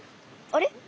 あれ？